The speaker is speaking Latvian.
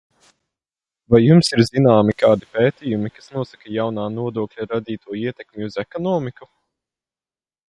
Vai jums ir zināmi kādi pētījumi, kas nosaka jaunā nodokļa radīto ietekmi uz ekonomiku?